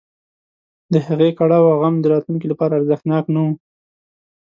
د هغې کړاو او غم د راتلونکي لپاره ارزښتناک نه و.